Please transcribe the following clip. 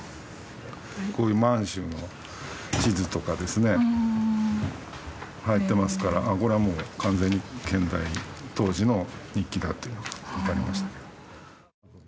こういう満州の地図とかですね入ってますからこれはもう完全に建大当時の日記だというのがわかりましたけど。